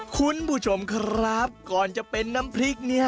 คุณผู้ชมครับก่อนจะเป็นน้ำพริกเนี่ย